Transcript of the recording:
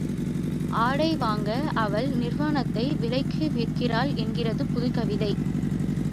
ஆடை வாங்க அவள் நிர்வாணத்தை விலைக்கு விற்கிறாள் என்கிறது புதுக் கவிதை.